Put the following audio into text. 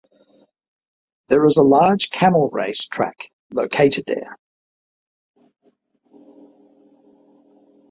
There is a large camel race track located there.